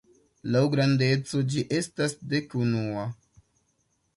Laŭ grandeco ĝi estas dek-unua.